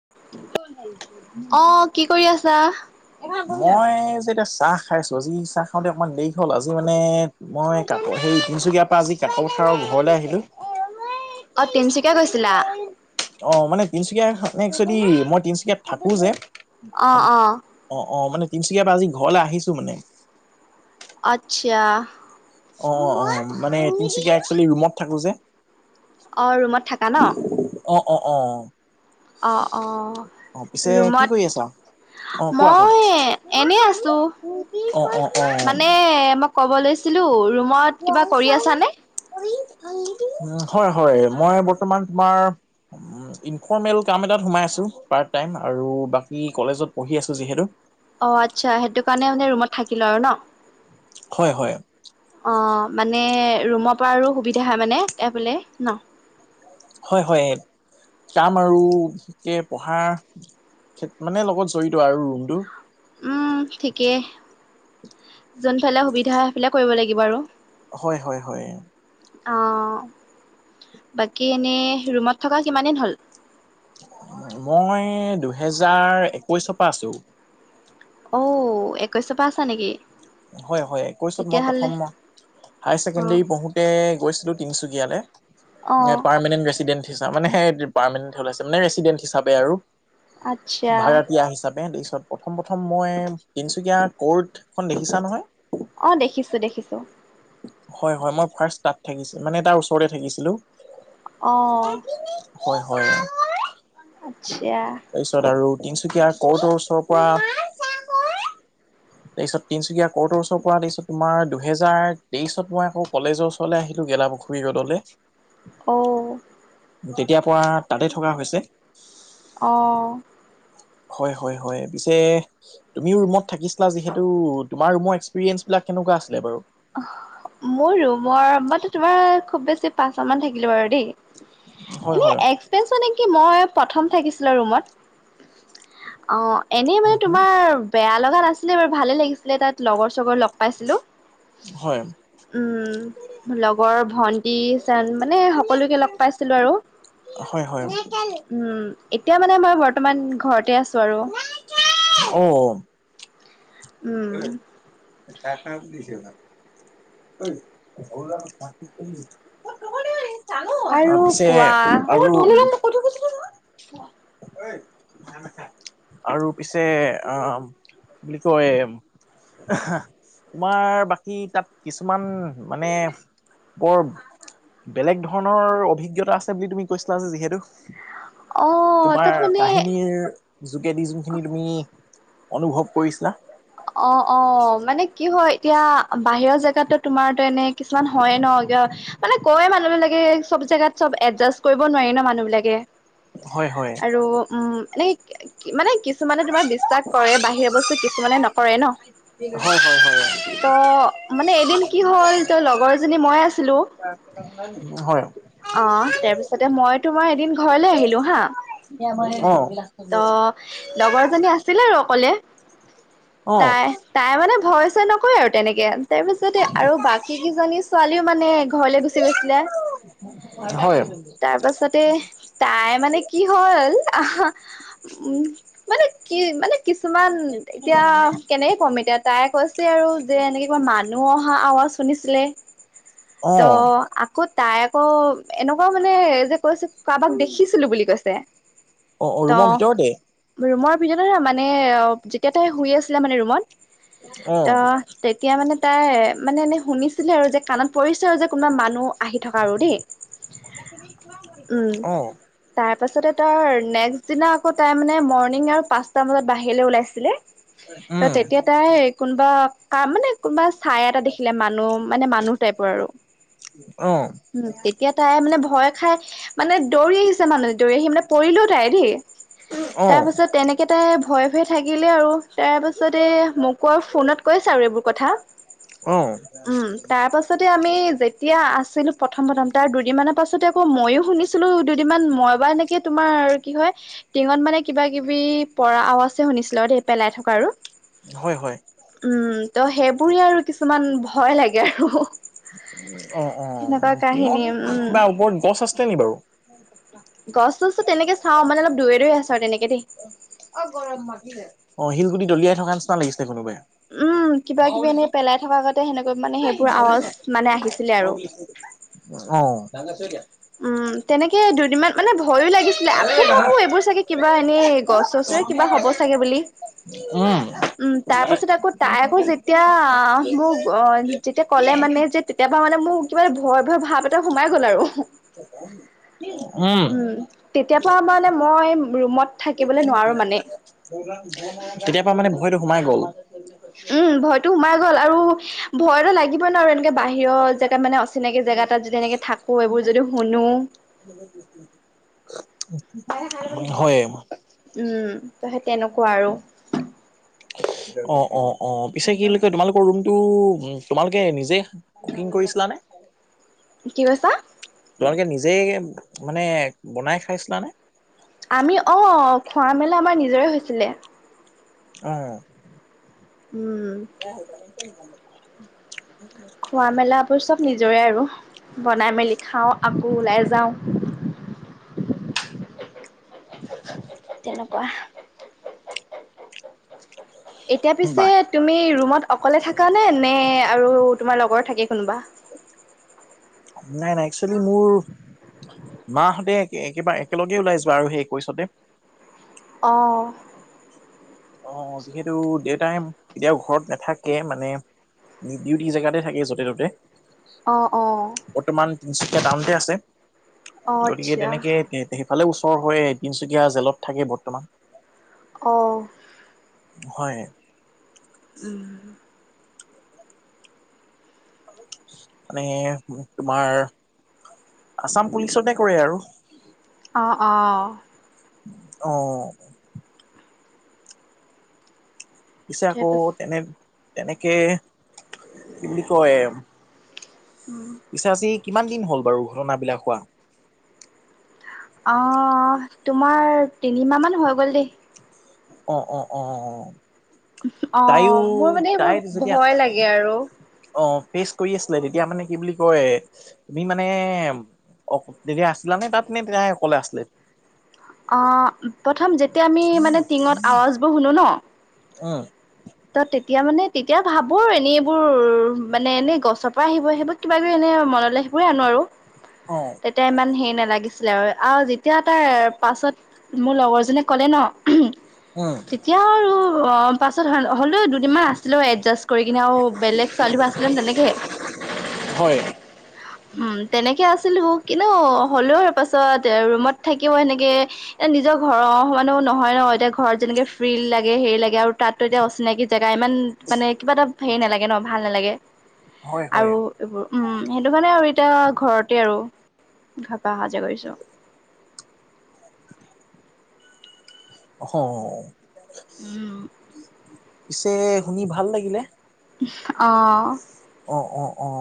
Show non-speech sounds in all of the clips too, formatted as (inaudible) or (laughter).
(unintelligible) অ কি কৰি আছা মই যে এতিয়া চাহ খাইছো আজি চাহ খাওঁতে অকমান দেৰি হ'ল আজি মানে মই কাক হেৰি। তিনিচুকীয়াৰ পৰা আজি কাকপথাৰৰ ঘৰলৈ আহিলোঁ। অ তিনচুকীয়া গৈছিলা? তিনিচুকীয়া একচুৱেলি মই তিনিচুকীয়াত থাকোঁ যে অ অ অ অ মানে। তিনিচুকীয়াৰ পৰা আজি ঘৰলৈ আহিছো মানে। আচ্ছা। অ অ অ মানে তিনচুকীয়া একচুৱেলি ৰুমত থাকো যে। অ ৰুমত থাকা ন। অ অ অ অ। অ অ পিছে কি ৰুমত কৰি আছা অ কোৱা কোৱা মই এনে আছো অ অ মানে মই ক'ব লৈছো (unintelligible) উ হয় হয় মই বৰ্তমান তোমাৰ ইনফৰ্মেল কাম এটাত সোমাই আছো পাৰ্ত টাইম আৰু বাকী কলেজত পঢ়ি আছো যিহেতু অ আচ্ছা সেইটো কাৰণে মানে ৰুমত থাকি লোৱা আৰু ন। হয় হয়। অ মানে ৰুমৰ পৰা সুবিধা হয় মানে এ ফালে ন। হয় হয়। কাম আৰু বিশেষকে পঢ়াৰ মানে লগত জড়িত আৰু ৰুমটো। উম ঠিকেই যোনফালে সুবিধা হয় সেইফালে কৰিব লাগিব আৰু। হয় হয় হয়। অ বাকী এনেই ৰুমত থকা কিমান দিন হ'ল। মই দুহেজাৰ একৈশৰ পৰা আছো। অ একৈশৰ পৰা আছা নেকি। হয় হয় একৈশত মই তেতিয়াহ'লে প্ৰথম হায় অ', ছেকেণ্ডৰী পঢ়োতে গৈছিলো তিনচুকীয়া। দিয়ালে, অ', পাৰমানেণ্ট ৰেচিডেণ্ট হিচাপ মানে সেই পাৰমানেণ্ট ওলাইছে মেনে ৰেচিডেণ্ট হিচাপে আৰু। আচ্ছা ভাৰতীয় হিচাপে দিছ প্ৰথম প্ৰথম মই তিনচুকীয়া কৰ্টখন দেখিছা নহয়? অ দেখিছোঁ, দেখিছোঁ। হয়, হয়, মই ফাৰ্ষ্ট তাত থাকিছিলো মানে তাৰ ওচৰতে থাকিছিলো। অ। হয়, হয়। আচ্ছা। তিনচুকীয়াৰ কৰ্টৰ ওচৰৰ পৰা। তাৰপিছত তিনচুকীয়া কৰ্টৰ ওচৰ পৰা তাৰপিছত তোমাৰ দুহেজাৰ তেইশত মই আকৌ কলেজৰ ওচৰলৈ আহিলো। গেলাপুখুৰী ৰডলে। অ'। তেতিয়াৰ পৰা তাতে থকা হৈছে। অহঁ। হয়, হয়, হয় পিছে তুমি ৰুমত থাকিচিলা যিহেতু তোমাৰ ৰুমৰ একস্পেৰিয়েনচবিলাক কেনেকা আছিলে বাৰু? আহ মোৰ ৰুমৰ মইতো তোমাৰ খুব বেছি পাঁচশ মান থাকিলো বাৰু দেই। হয় এনে হয়। এক্সপেনচ মানে কি মই প্ৰথম থাকিছিলো ৰুমত অ এনেই উম মানে হু। তোমাৰ বেয়া লগা নাছিলে বাৰু ভালে লাগিছিলে। তাত লগৰ চগৰ লগ পাইছিলো। হয়। উম লগৰ ভন্টি। জান মানে সকলোকে লগ পাইছিলো আৰু হয় হয়। উম। এতিয়া মানে মই বৰ্তমান ঘৰতে আছো আৰু। ঐ উম। কাৰ তাত দিছে বাও। ঐ সৰু ল'ৰা মত দিছেহি, মই ক'ব দেই। অহ আৰু পিছে কোৱা আৰু। অ ঐ উম নেখাই নেখাই। আৰু পিছে অ বুলি কয়? অহ, তোমাৰ বাকী তাত কিছুমান মানে বৰ বেলেগ ধৰণৰ অভিজ্ঞতা আছে বুলি তুমি কৈছিলা যে যিহেতু। অ তোমাৰ তাত মানে কাহিনীৰ যোগেদি যোনখিনি তুমি অনুভৱ কৰিছিলা। অ, অ মানে কি হয় এতিয়া বাহিৰৰ জেগাতো তোমাৰতো এনে কিছুমান হয়ে ন মানে কয়ে মানুহবিলাকে চব জেগাত চব এডজাষ্ট কৰিব নোৱাৰি ন মানুহবিলাকে হয় হয়। আৰু উম এনে মানে কিছুমানে তোমাৰ বিশ্বাস কৰে বাহিৰা বস্তু কিছুমানে নকৰে ন। হয় হয় ত মানে এদিন হয়। কি হ'ল, ত লগৰজনী মই আছিলো। হয়। অ তাৰপিছতে মই তোমাৰ এদিন ঘৰলে আহিলো হা। ত লগৰজনী আছিলে আৰু অকলে। অ'। তাই, তাই মানে ভয় চয় নকয় আৰু তেনেকেন। তাৰ পিছতে আৰু বাকী কিজনী ছোৱালীও মানে ঘৰলে গুচি গৈছিলে। হয়, তাৰ পাছতে তাই মানে কি হ'ল আহ উম মানে কি মানে কিছুমান এতিয়া এনেই ক'ম এতিয়া তাই কৈছে আৰু যে এনে কিবা মানুহ অহা আৱাজ শুনিছিলে। ত অ'। আকৌ তাই আকৌ এনেকুৱা মানে যে কৈছে কাৰোবাক দেখিছিলো বুলি কৈছে? অ, অ ত ৰুমৰ ভিতৰতে। (unintelligible) মানে যেতিয়া তাই শুই আছিলে মানে ৰুমত অ তেতিয়া মানে। তাই মানে এনে শুনিছিলে আৰু যে কাণত পৰিছে আৰু যে কোনোবা মানুহ আহি থকা আৰু দেই, উম অ', তাত তাৰপাছতে তাৰ নেক্সট দিনা আকৌ তাই মানে মৰ্ণিং আৰু পাঁচটা মজাত বাহিৰলৈ ওলাইছিলে। ত উম, তেতিয়া তাই কোনোবা কাম মানে কোনোবা। চাই এটা দেখিলে মানুহ মানে মানুহ টাইপৰ আৰু অ', অ', উ তেতিয়া তাই মানে। ভয় খাই মানে দৌৰি আহিছে মানুহ। দৌৰি আহিমানে পৰিলেও তাই দেই তাৰপাছত তেনেকৈ তাই ভয় ভয় থাকিলে আৰু। তাৰ পাছতে মোকো ফোনত কৈছ আৰু এইবোৰ কথা অ'। উম তাৰ পাছতে আমি যেতিয়া আছিলো প্ৰথম প্ৰথম তাৰ দুদিন মানৰ তাৰ পাছতে আকৌ মইয়ো শুনিছিলো দুদিনমান মই বা এনেকে তোমাৰ কি হয় টিঙত মানে কিবা কিবি বি পৰা আৱাজ শুনিছিলো পেলাই থকা আৰু হয়, হয়, উম ত সেই পুৰি আৰু কিছুমান ভয় লাগে আৰু অ অ তেনেকুৱা কাহিনী টিঙত কিবা উম ওপৰত গছ আছে নেকি বাৰু গছ চছো তেনেকে চাওঁ মানে অল দুৰে দুৰে আছে আৰু তেনেকে দেই গৰম মা অ শিলগুটি দলিয়াই থকা নিচিনা লাগিছে কোনোবাই উম কিবা অ', কিবি এনে পেলাই থকা আগতে সেনেকৈ মানে সেইবোৰ আৱাজ মানে আহিছিলে আৰু অ উম তেনেকে দুদিনমান মানে ভয়ো লাগিছিলে আকৌ ভাবো এইবোৰ চাগে কিবা এনেই গছ চছৰে কিবা হ'ব চাগে বুলি অ উম তাৰ পাছত আকৌ তাই আকৌ যেতিয়া মোক যেতিয়া ক'লে মানে যে তেতিয়াপা মানে মোৰ কিবা ভয় ভয় ভাৱ এটা সোমাই গ'ল আৰু উম তেতিয়া পা মানে মই ৰুমত থাকিবলৈ নোৱাৰো মানে তেতিয়াৰ পৰা মানে ভয়টো সোমাই গ'ল উম ভয়তো সোমাই গল আৰু ভয়ত লাগিল লাগিব নোৱাৰো এনেকে বাহিৰৰ জেগাত মানে অচিনাকি জেগা এটাত যদি এনেকে থাকো এইবোৰ যদি শুনো হয় উম ত সেই তেনেকুৱা আৰু অ অ অ পিছে কি কয় তোমালোকৰ ৰুমটো তোমালোকে নিজে কুকিং কৰিছিলা নে কি কৈছা তোমালোকে নিজেই মানে বনাই খাইছিলা নে আমি অ খোৱা মেলা আমাৰ নিজৰে হৈছিলে অহ উম (unintelligible) খোৱা মেলাবোৰ চব নিজৰে আৰু বনাই মেলি খাওঁ আকৌ ওলাই যাওঁ তেনেকুৱা এতিয়া পিছে বা তুমি ৰুমত অকলে থাক নে নে আৰু তোমাৰ লগৰ থাকে কোনোবা নাই নাই একচলি মোৰ মাহঁতে একে একেবাৰে একেলগেই ওলাই যোৱা আৰু সেই একৈছতে অঁ আহ যিহেতু দেউতাই কেতিয়াও ঘৰত নাথাকে মানে ডিউটি জেগাতে থাকে য'তে ত'তে অঁ অঁ তিনিচুকীয়া টাউনতে থাকে আছে অ', গতিকে আচ্ছা তেনেকে ইফালে ওচৰ হয় তিনচুকীয়া জেলত থাকে বৰ্তমান অ' হয় উম মানে তোমাৰ আছাম পুলিচতে কৰে আৰু অঁ অঁ অহ পিছে আকৌ তাৰপিছ তেনে তেনেকে কি কয়। উম, পিছে আজি কিমান দিন হ'ল বাৰু ঘটনাবিলাক হোৱা। আ অ তোমাৰ তিনিমাহ মান হৈ গ'ল দেই। অ অ অ তাইও অ', মোৰ মানে এইবোৰ তাই যেতিয়া ভয় লাগে আৰু। অ পেইচ কৰি আছিলে তেতিয়া মানে কি বুলি কয় তুমি মানে অ তেতিয়া আছিলা নে তাত নে তাই অকলে আছিলে। অ প্ৰথম যেতিয়া আমি মানে টিঙত আৱাজ বোৰ শুনো ন অ। ত তেতিয়া মানে তেতিয়া ভাবো এনে এইবোৰ মানে এনেই গছৰ পৰা আহিব সেইবোৰ কিবা কিবি এনে মনলে সেইবোৰে আনো আৰু অ', তেতিয়া ইমান হেই নালাগিছিলে। আৰু যেতিয়া তাৰ পাছত মোৰ লগৰজনে ক'লে ন উমহ উম, তেতিয়া আৰু অ পাছত হা হ'লেও দুদিনমান আছিলো এডজাষ্ট কৰি কিনে আও বেলেগ ছোৱালীবোৰ আছিলে তেনেকে। হয়, উম। তেনেকে আছিলো কিন্তু হ'লেও পাছত ৰুমত থাকিও সেনেকে এ নিজৰ ঘৰৰ ঘ সমানো নহয় ন এতিয়া ঘৰত যেনেকে ফ্ৰীল লাগে হেৰি লাগে আৰু তাততো এতিয়া অচিনাকি জেগা ইমান মানে কিবা এটা হেৰি নালাগে ন ভাল নালাগে। হয়, হয়, আৰু এইবোৰ উম সেইটো কাৰণে আৰু এতিয়া ঘৰতে আৰু ঘৰ পা অহা যোৱা কৰিছোঁ। (unintelligible) হয়। উম পিছে শুনি ভাল লাগিলে। উম অ। অ অ অ।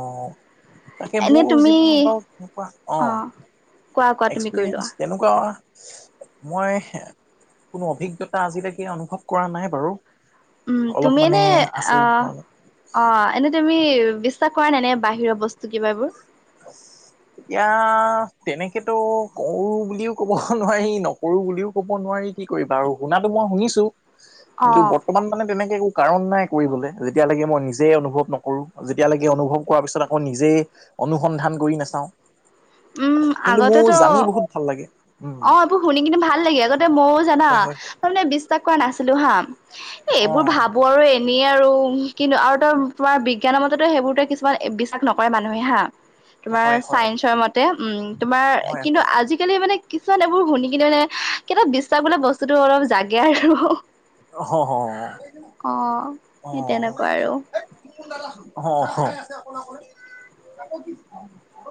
তাকে এনে মোৰ তুমি যিমান পাৰো তেনেকোৱা অ কোৱা কোৱা তুমি কৰি এক্সপিৰিয়েঞ্চ লোৱা তেনেকোৱা মই হে কোনো অভিজ্ঞতা আজিলৈকে অনুভৱ কৰা নাই বাৰু। উম অলপ তুমি মানে এনে অ আচৰিত হল অ এনে তুমি বিশ্বাস কৰা নাই নে বাহিৰৰ বস্তু কিবাবোৰ। আ। এতিয়া তেনেকেতো ক‌ও বুলিও কব নোৱাৰি নকৰো বুলিও কব নোৱাৰি। কি কৰিবা আৰু শুনা টো মই শুনিছো কিন্তু অ' বৰ্তমান মানে তেনেকে একো কাৰণ নাই কৰিবলে যেতিয়ালৈকে মই নিজেই অনুভৱ নকৰো যেতিয়ালৈকে অনুভৱ কৰা পিছত আকৌ নিজেই অনুসন্ধান কৰি নাচাওঁ উম আগতেতো বহুত ভাল লাগে উম অ এইবোৰ শুনি কিনে ভাল লাগে আগতে ম‌ইও জানা হয় হয় হয়। তাৰ মানে বিশ্বাস কৰা নাছিলোঁ হা এই অ এইবোৰ ভাবোঁ আৰু এনে আৰু কিন্তু আৰু ত তোমাৰ বিজ্ঞানৰ মতেতো সেইবোৰতে কিছুমান বিশ্বাস নকৰে মানুহে হা তোমাৰ হয় হয় চাইন্সৰ মতে উম তোমাৰ হয় কিন্তু হয় আজিকালি মানে কিছুমান এইবোৰ শুনি কিনে মানে কিবা এটা বিশ্বাস বোলা বস্তুটো অলপ জাগে আৰু। অ হ হ অ অ সেই তেনেকুৱা আৰু হ অ হ।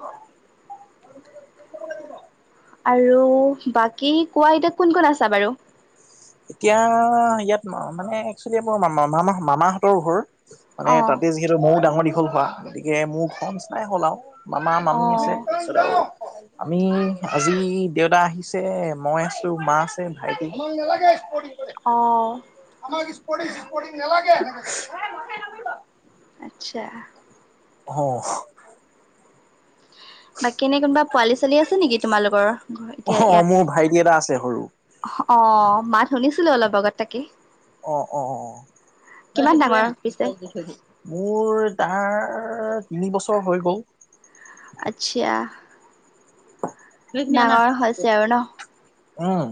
(unintelligible) আৰু বাকী কোৱা এতিয়া কোন কোন আছা বাৰু। এতিয়া ইয়াত মানে একচলি মোৰ মা মামা মামাহঁতৰ ঘৰ। মানে অ তাতে যিহেতু ময়ো ডাঙৰ দীঘল হোৱা গতিকে মোৰ ঘ নিচিনাই হ'ল আও। মামা অ মামী আছে। আমি আজি দেউতা আহিছে মই আছো মা আছে ভাইটি আছে অ অ। নেলাগে আচ্ছা। হ। বাকী এনে কোনোবা পোৱালি ছোৱালী আছে নেকি তোমালোকৰ ঘ এতিয়া অ ইয়াত? মোৰ ভাইটি এটা আছে সৰু অ মাত শুনিছিলো অলপ আগত তাকে। অ অ অ। তই কিমান সেইবো লৈ ডাঙৰ আহ পিছে নাই মোৰ তাৰ তিনি বছৰ হৈ গ'ল। আচ্ছা। ডাঙৰ হৈছে আৰু ন? উম্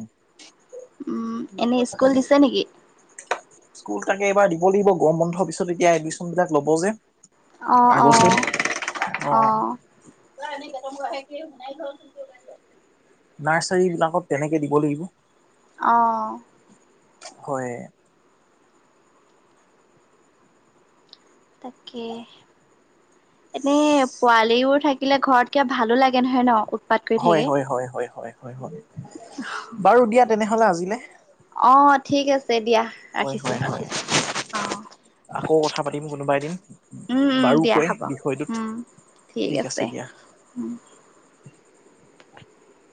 উম এনে থ স্কুল দিছে নেকি স্কুল তাকে এইবাৰ দিম ল' লাগিব গৰম বন্ধৰ পিচত এতিয়া এডমিশন বিলাক ল'ব যে অ অ আগচোন অ নাৰ্চাৰী বিলাকত তেনেকে দিব লাগিব আহ হয় তাকে এনে পোৱালিবোৰ থাকিলে ঘৰত কিবা ভালো লাগে নহয় ন? উৎপাত কৰি হয় থাকে হয় হয় হয় বাৰু দিয়া তেনেহলে আজিলে অ ঠিক আছে দিয়া হয় হয় ৰাখিছোঁ হয় অ আকৌ কথা পাতিম কোনোবা এদিন উম উম দিয়া বাৰুকৈ হ'ব উম বিষয়টোত ঠিক আছে উ (inaudible)